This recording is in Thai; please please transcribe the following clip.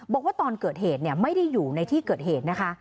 บอกว่าตอนเกิดเหตุไม่ได้อยู่ในที่เกิดเหตุนะคะ